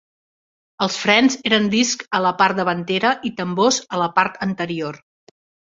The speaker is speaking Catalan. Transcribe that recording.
Els frens eren discs a la part davantera i tambors a la part anterior.